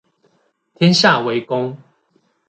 天下為公